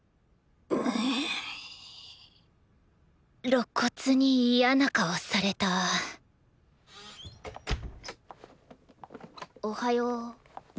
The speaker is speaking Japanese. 露骨に嫌な顔されたおはよ。